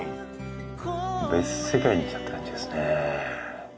別世界に来たって感じですね。